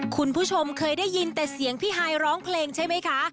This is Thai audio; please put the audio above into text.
คุณผู้ชมเคยได้ยินแต่เสียงพี่ฮายร้องเพลงใช่ไหมคะ